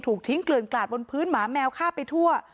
ถูกทิ้งเกลื่อนกลาดบนพื้นหมาแมวฆ่าไปทั่ว